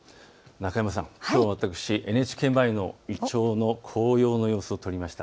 中山さん、きょう私、ＮＨＫ前のイチョウの黄葉の様子を撮りました。